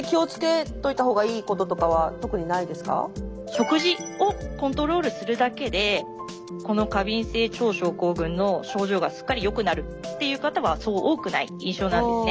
食事をコントロールするだけでこの過敏性腸症候群の症状がすっかりよくなるっていう方はそう多くない印象なんですね。